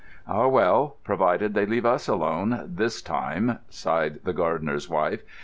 "Ah, well—provided they leave us alone, this time!" sighed the gardener's wife.